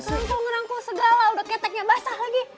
ngerangkul ngerangkul segala udah keteknya basah lagi